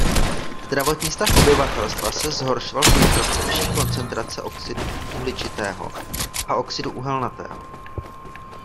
Zdravotní stav obyvatelstva se zhoršoval v důsledku vyšší koncentrace oxidu uhličitého a oxidu uhelnatého.